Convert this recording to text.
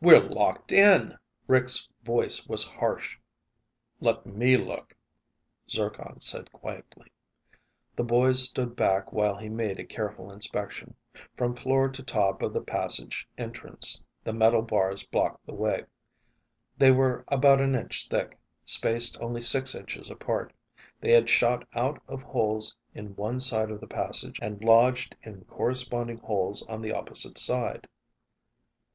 "We're locked in!" Rick's voice was harsh. "Let me look," Zircon said quietly. The boys stood back while he made a careful inspection. From floor to top of the passage entrance the metal bars blocked the way. They were about an inch thick, spaced only six inches apart. They had shot out of holes in one side of the passage and lodged in corresponding holes on the opposite side.